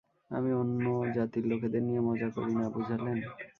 আমি অন্য জাতির লোকেদের নিয়ে মজা করি না, বুঝালেন?